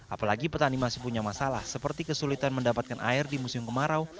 apalagi petani masih punya masalah seperti kesulitan mendapatkan air di musim kemarau